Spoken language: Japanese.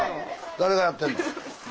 誰がやってんの？